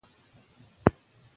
که ایمیل ولرو نو لیک نه ورکيږي.